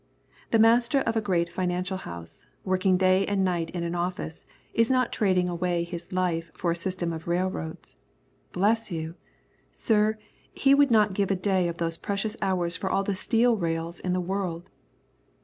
The master of a great financial house, working day and night in an office, is not trading away his life for a system of railroads. Bless you! sir, he would not give a day of those precious hours for all the steel rails in the world.